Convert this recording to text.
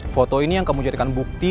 foto ini yang kamu jadikan bukti